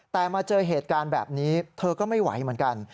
แต่มาเจอเหตุการณ์แบบนี้เธอก็ไม่ไหวเหมือนกัน